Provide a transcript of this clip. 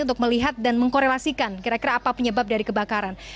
untuk melihat dan mengkorelasikan kira kira apa penyebab dari kebakaran